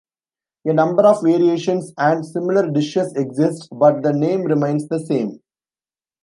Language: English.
A number of variations and similar dishes exist, but the name remains the same.